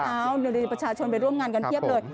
เอ้านริประชาชนไปร่วมงานกันเทียบเลย